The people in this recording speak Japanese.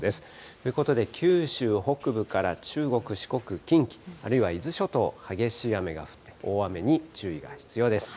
ということで、九州北部から中国、四国、近畿、あるいは伊豆諸島、激しい雨や大雨に注意が必要です。